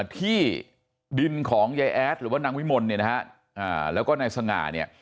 ที่ดินของเย้แอ๊ดหรือว่านางวิมนต์แล้วก็ในสง่าเนี่ย